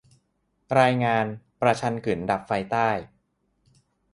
รายงาน : ประชันกึ๋นดับไฟใต้